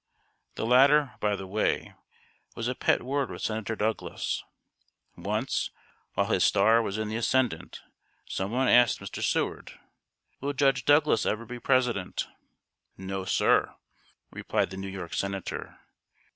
The latter, by the way, was a pet word with Senator Douglas. Once, while his star was in the ascendant, some one asked Mr. Seward: "Will Judge Douglas ever be President?" "No, sir," replied the New York senator.